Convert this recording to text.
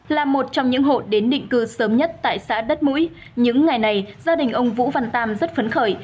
là một trong những hộ đến định cư sớm nhất tại xã đất mũi những ngày này gia đình ông vũ văn tam rất phấn khởi